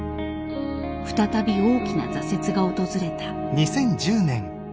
再び大きな挫折が訪れた。